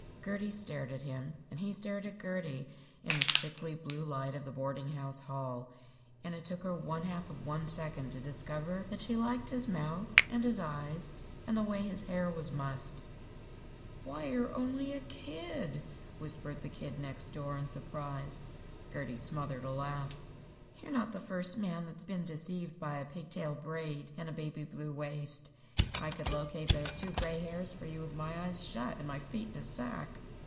Gertie stared at him, and he stared at Gertie in the sickly blue light of the boarding house hall, and it took her one half of one second to discover that she liked his mouth, and his eyes, and the way his hair was mussed. "Why, you're only a kid!" whispered the Kid Next Door, in surprise. Gertie smothered a laugh. "You're not the first man that's been deceived by a pig tail braid and a baby blue waist. I could locate those two gray hairs for you with my eyes shut and my feet in a sack.